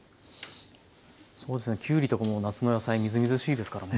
そうですねきゅうりとかも夏の野菜みずみずしいですからね。